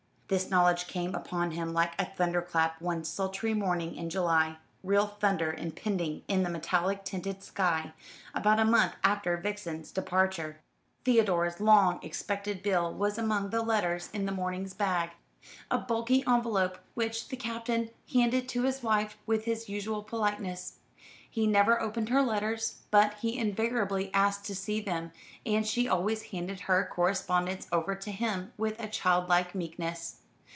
This knowledge came upon him like a thunder clap one sultry morning in July real thunder impending in the metallic tinted sky about a month after Vixen's departure. Theodore's long expected bill was among the letters in the morning's bag a bulky envelope which the Captain handed to his wife with his usual politeness. He never opened her letters, but he invariably asked to see them, and she always handed her correspondence over to him with a childlike meekness.